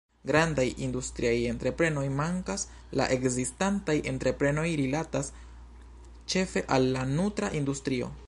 Grandaj industriaj entreprenoj mankas; la ekzistantaj entreprenoj rilatas ĉefe al la nutra industrio.